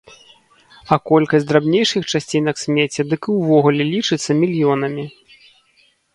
А колькасць драбнейшых часцінак смецця дык і ўвогуле лічыцца мільёнамі.